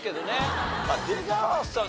出川さん